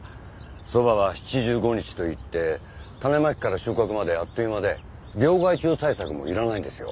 「そばは七十五日」と言って種まきから収穫まであっという間で病害虫対策もいらないんですよ。